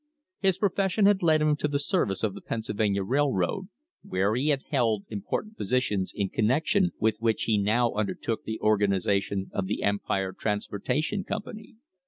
His profession had led him to the service of the Pennsylvania Railroad, where he had held important positions in connection with which he now undertook the organisation of the Empire Transportation Company.